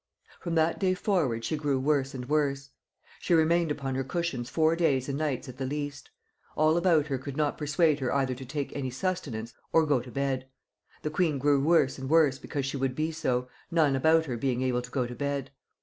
"From that day forward she grew worse and worse. She remained upon her cushions four days and nights at the least. All about her could not persuade her either to take any sustenance or go to bed.... The queen grew worse and worse because she would be so, none about her being able to go to bed.